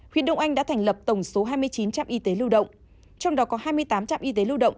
huyện đông anh đã thành lập tổng số hai mươi chín trạm y tế lưu động trong đó có hai mươi tám trạm y tế lưu động